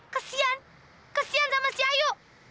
kesian kesian sama si ayu